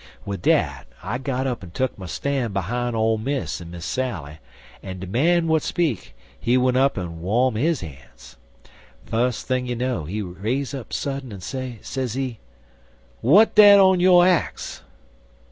"Wid dat I got up en tuck my stan' behime Ole Miss en Miss Sally, en de man w'at speak, he went up en worn his han's. Fus thing you know, he raise up sudden, en say, sezee: "'W'at dat on yo' axe?'